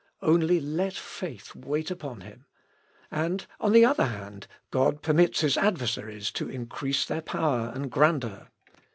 Only let faith wait upon Him.... And, on the other hand, God permits his adversaries to increase their power and grandeur.